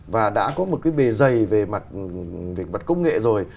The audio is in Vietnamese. và đã có một bề dày về mặt công nghệ rồi